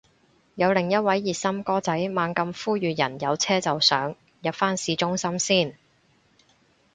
有另一位熱心哥仔猛咁呼籲人有車就上，入返市中心先